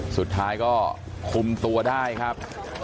สุดท้ายก็คุมตัวได้ครับ